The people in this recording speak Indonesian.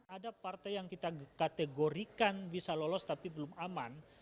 ada partai yang kita kategorikan bisa lolos tapi belum aman